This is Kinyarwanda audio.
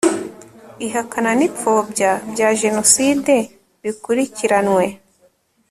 ihakana n ipfobya bya jenoside bikurikiranwe